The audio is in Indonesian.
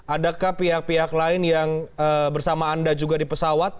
adakah pihak pihak lain yang bersama anda juga di pesawat